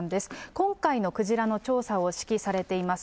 今回のクジラの調査を指揮されています。